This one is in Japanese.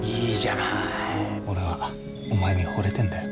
俺はお前にほれてんだよ。